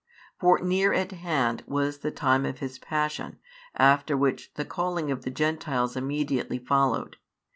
For near at hand was the time of His Passion, after which the calling of the Gentiles immediately followed.